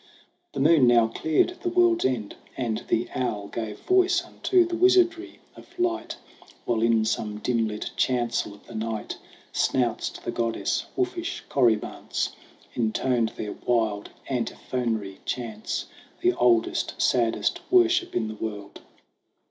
The moon now cleared the world's end, and the owl Gave voice unto the wizardry of light ; While in some dim lit chancel of the night, Snouts to the goddess, wolfish corybants Intoned their wild antiphonary chants The oldest, saddest worship in the world.